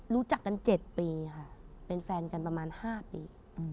รู้จักกัน๗ปีค่ะเป็นแฟนกันประมาณ๕ปี